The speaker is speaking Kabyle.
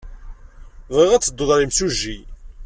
Bɣiɣ ad teddud ɣer yimsujji.